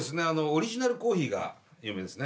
オリジナルコーヒーが有名ですね。